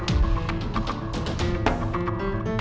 aneh kalau inan